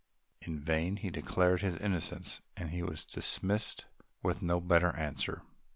In vain he declared his innocence; he was dismissed with no better answer.